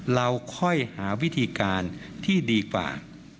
เราค่อยหาวิธีการที่ดีกว่า